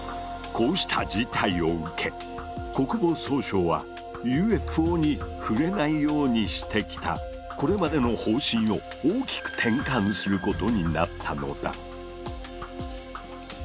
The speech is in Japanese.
こうした事態を受け国防総省はＵＦＯに触れないようにしてきたこれまでの方針を大きく転換することになったのだ。